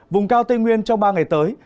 vùng cao tây nguyên trong ba ngày tới